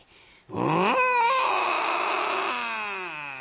「うん」。